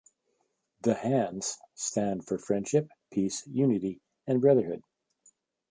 The hands stand for friendship, peace, unity, and brotherhood.